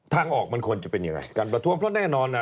ทางออกมันควรจะเป็นยังไงการประท้วงเพราะแน่นอนอ่ะ